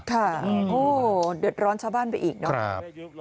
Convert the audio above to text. ค่ะโอ้เดือดร้อนชาวบ้านไปอีกเนาะ